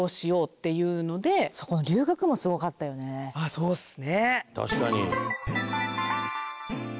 そうですね。